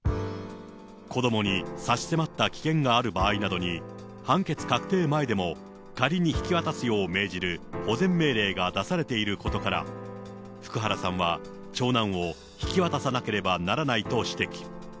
子どもに差し迫った危険がある場合などに、判決確定前でも仮に引き渡すよう命じる、保全命令が出されていることから、福原さんは長男を引き渡さなければならないと指摘。